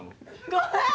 ごめん！